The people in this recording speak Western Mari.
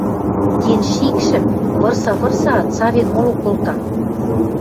Денщикшӹм вырса-вырсаат, савен моло колта.